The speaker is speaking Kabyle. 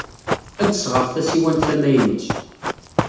Ad d-sɣeɣ tasiwant tamaynut.